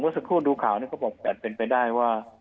เมื่อสักครู่ดูข่าวเนี่ยก็บอกแบบเป็นไปได้ว่า